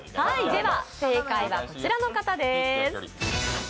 では、正解はこちらの方です。